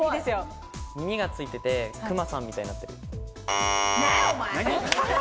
耳がついてて、クマさんみたいになってる。